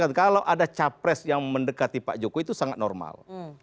saya bisa bilang kalau ada capres yang mendekati pak jokowi itu sangat normal